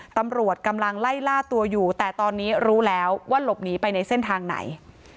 ตำรวจกำลังไล่ล่าตัวอยู่แต่ตอนนี้รู้แล้วว่าหลบหนีไปในเส้นทางไหน